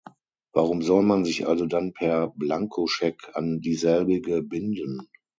Warum soll man sich also dann per Blankoscheck an dieselbige binden?